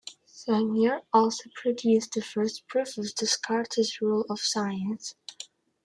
Segner, also produced the first proof of Descartes' rule of signs.